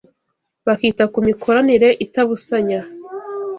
bakita ku mikoranire itabusanya